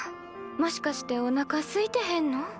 もしかしておなかすいてへんの？